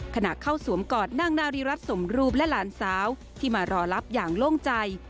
ขณะเข้าสวมกอดนางนาริรัติสมรูปและหลานสาวที่มารอรับอย่างโล่งใจ